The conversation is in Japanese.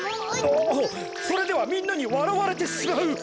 ああそれではみんなにわらわれてしまう。